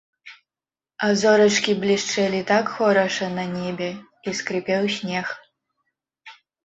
А зорачкі блішчэлі так хораша на небе, і скрыпеў снег.